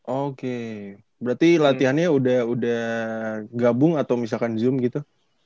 oke berarti latihannya udah gabung atau misalkan zoom gitu